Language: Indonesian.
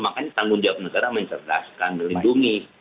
makanya tanggung jawab negara mencerdaskan melindungi